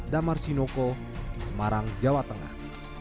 damar sinoko semarang jawa tengah